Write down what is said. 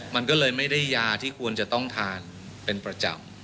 มันก็เลยไม่ได้ยาที่ควรจะต้องทานเป็นประจำ